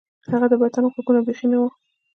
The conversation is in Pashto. د هغه د بدن غوږونه بیخي نه وو